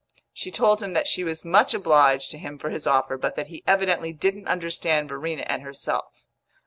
She told him that she was much obliged to him for his offer, but that he evidently didn't understand Verena and herself.